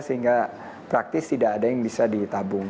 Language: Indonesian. sehingga praktis tidak ada yang bisa ditabung